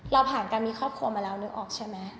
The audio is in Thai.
เราผ่านการมีครอบครัวมาแล้วนึกออกใช่ไหม